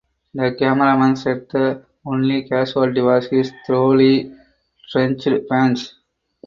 The cameraman said the only casualty was his thoroughly drenched pants.